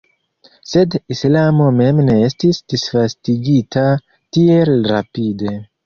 Sed islamo mem ne estis disvastigita tiel rapide.